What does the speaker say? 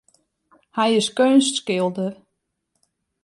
Hy is keunstskilder.